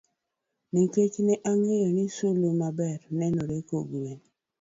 Nikech ne ang'eyo ni sulwe maber nenore kogwen.